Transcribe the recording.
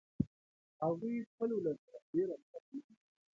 هغوی خپل ولس سره ډیره مینه کوي